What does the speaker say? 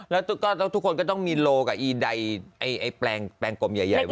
แล้วทุกคนก็ต้องมีโลกอ่ะก็อีไอ้ไอ้แปรงกลมใหญ่